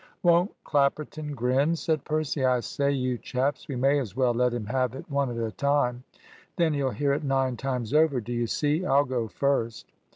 "Won't Clapperton grin!" said Percy. "I say, you chaps, we may as well let him have it one at a time. Then he'll hear it nine times over, do you see? I'll go first."